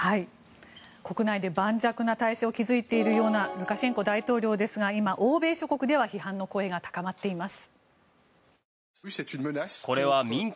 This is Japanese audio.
国内で盤石な体制を築いているようなルカシェンコ大統領ですが今、欧米諸国では批判の声が高まっています。